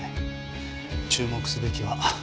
注目すべきは。